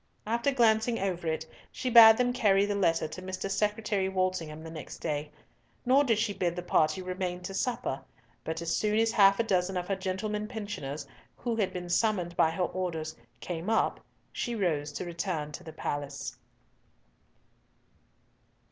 After glancing over it, she bade them carry the letter to Mr. Secretary Walsingham the next day; nor did she bid the party remain to supper; but as soon as half a dozen of her gentlemen pensioners, who had been summoned by her orders, came up, she rose to return to the palace.